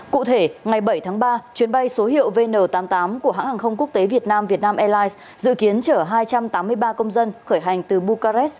cụ thể ngày bảy tháng ba chuyến bay số hiệu vn tám mươi tám của hãng hàng không quốc tế việt nam vietnam airlines dự kiến chở hai trăm tám mươi ba công dân khởi hành từ bucares